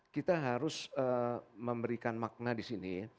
kita harus memberikan makna di sini